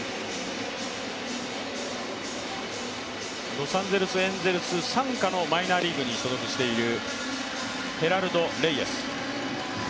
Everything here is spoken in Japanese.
ロサンゼルス・エンゼルス傘下のマイナーリーグに所属しているヘラルド・レイエス。